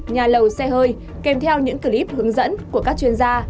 nhà lầu xe hơi kèm theo những clip hướng dẫn của các chuyên gia